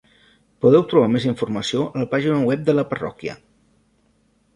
Podeu trobar més informació a la pàgina web de la parròquia.